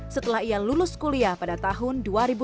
setelah ia lulus kuliah pada tahun dua ribu